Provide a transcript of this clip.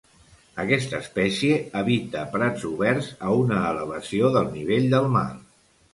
Aquesta espècie habita Prats oberts a una elevació del nivell del mar.